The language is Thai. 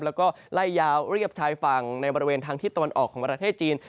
แล้วก็ไล่ยาวเรียบชายฝั่งในบริเวณทางทิศตะวันออกของประเทศจีน